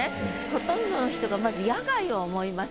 ほとんどの人がまず野外を思います。